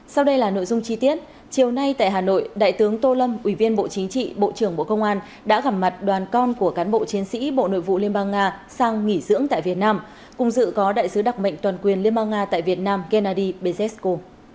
sau đây là nội dung chi tiết chiều nay tại hà nội đại tướng tô lâm ủy viên bộ chính trị bộ trưởng bộ công an đã gặp mặt đoàn con của cán bộ chiến sĩ bộ nội vụ liên bang nga sang nghỉ dưỡng tại việt nam cùng dự có đại sứ đặc mệnh toàn quyền liên bang nga tại việt nam gennady bezesko